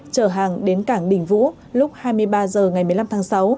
chở hàng đến cảng đình vũ lúc hai mươi ba h ngày một mươi năm tháng sáu